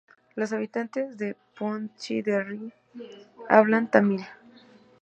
Los habitantes de Pondicherry hablan tamil.